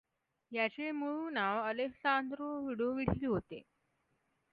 याचे मूळ नाव अलेस्सान्द्रो लुडोविसी होते.